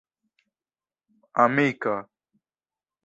Amika.